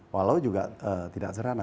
walau juga tidak serana